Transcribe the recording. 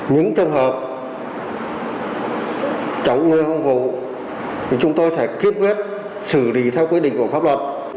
những trường hợp chống người không vụ chúng tôi sẽ kết quyết xử lý theo quyết định của pháp luật